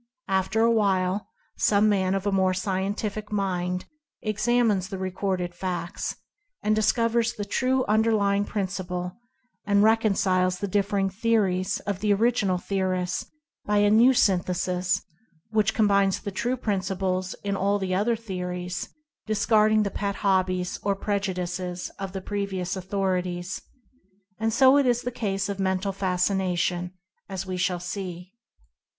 After a while, some man of a more scientific mind examines the recorded facts, and discovers the true underlying principle, and reconciles the differing theories of the original theorists by a new synthesis which combines the true principles in all the other the ories, discarding the pet hobbies or prejudices of the previous authorities. And so it is in the case of Mental Fascination, as we shall see.